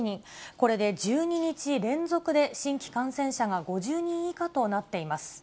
これで１２日連続で新規感染者が５０人以下となっています。